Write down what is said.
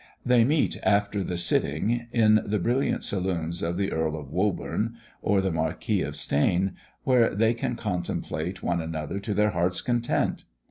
They meet after the sitting in the brilliant saloons of the Earl of Woburn, or the Marquis of Steyne, where they can contemplate one another to their hearts' content.